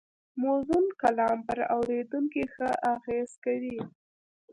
موزون کلام پر اورېدونکي ښه اغېز کوي